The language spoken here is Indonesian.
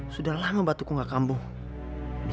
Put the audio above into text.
sudah lama batuku gak kambung